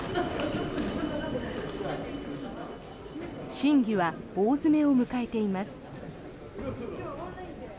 審議は大詰めを迎えています。